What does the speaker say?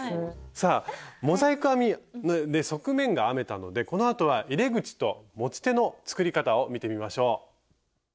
さあモザイク編みで側面が編めたのでこのあとは入れ口と持ち手の作り方を見てみましょう。